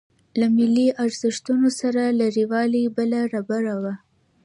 له ملي ارزښتونو سره لريوالۍ بله ربړه وه.